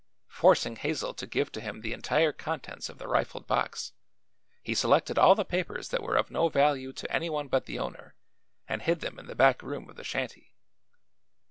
Forcing Hazel to give to him the entire contents of the rifled box, he selected all the papers that were of no value to anyone but the owner and hid then in the back room of the shanty.